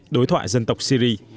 đối thoại dân tộc syri